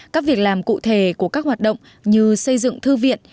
các việc làm cụ thể của các hoạt động như xây dựng thư viện